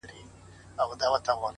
• زما په خيال هري انجلۍ ته گوره؛